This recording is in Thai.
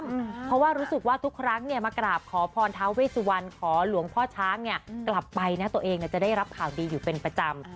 เพราะว่ารู้สึกว่าทุกครั้งเนี่ยมากราบขอพรท้าเวสวันขอหลวงพ่อช้างเนี่ยกลับไปนะตัวเองจะได้รับข่าวดีอยู่เป็นประจำ